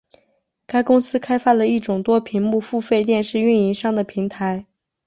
该公司开发了一种多屏幕付费电视运营商的平台。